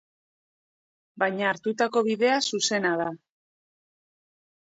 Baina hartutako bidea zuzena da.